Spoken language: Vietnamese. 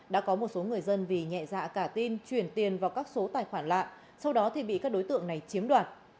đã có một số người dân vì nhẹ dạ cả tin chuyển tiền vào các số tài khoản lạ sau đó thì bị các đối tượng này chiếm đoạt